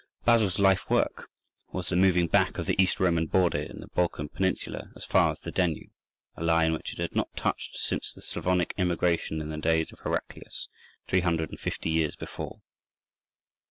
Basil's life work was the moving back of the East Roman border in the Balkan Peninsula as far as the Danube, a line which it had not touched since the Slavonic immigration in the days of Heraclius, three hundred and fifty years before.